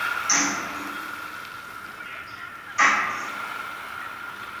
দুর্বল ব্যক্তি কখনও আত্মাকে লাভ করিতে পারে না।